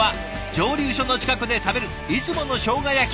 蒸留所の近くで食べるいつものしょうが焼き。